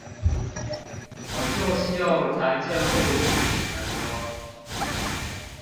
我就是用財政部自己的唷